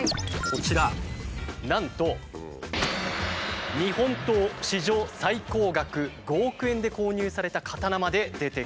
こちらなんと日本刀史上最高額５億円で購入された刀まで出てきたんです。